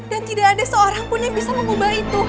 dan tidak ada seorangpun yang bisa mengubah itu